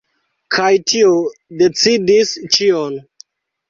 Kaj tio decidis ĉion.